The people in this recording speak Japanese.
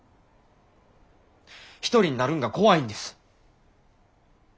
一人になるんが怖いんです。